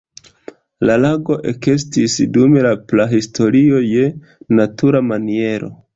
La lago ekestis dum la prahistorio je natura maniero.